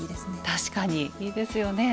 確かにいいですよね。